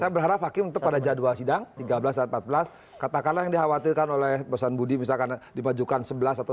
saya berharap hakim tetap pada jadwal sidang tiga belas dan empat belas katakanlah yang dikhawatirkan oleh bosan budi misalkan dimajukan sebelas atau dua